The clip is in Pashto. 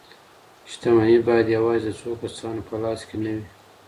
شتمني باید یوازي د څو کسانو په لاس کي نه وي.